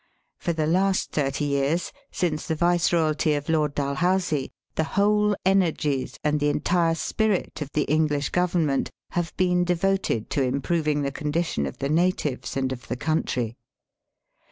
For the last thirty years, since the Viceroyalty of Lord Dalhousie, the whole energies and the entire spirit of the English Government have been devoted to im proving the condition of the natives and of the country.